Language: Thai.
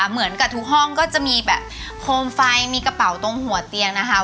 เหมือนกับทุกห้องก็จะมีแบบโคมไฟมีกระเป๋าตรงหัวเตียงนะคะ